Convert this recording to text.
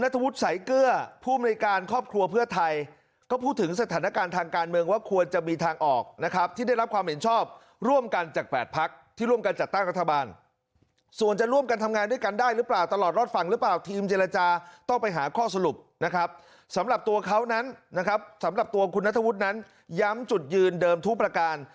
แต่และสำหรับตัวคุณน้าทะวุฒนั้นย้ำจุดยืนเดิมทุพระการ